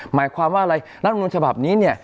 หมายความว่าอะไรรัฐมวลฉบับนี้